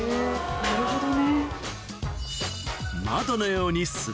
なるほどね。